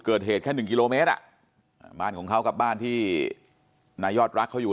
เกิดเหตุแค่๑กิโลเมตรบ้านของเขากับบ้านที่นายอดรักเขาอยู่